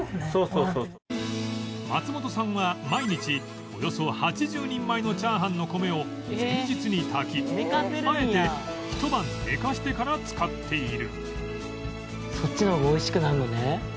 松本さんは毎日およそ８０人前の炒飯の米を前日に炊きあえてひと晩寝かせてから使っている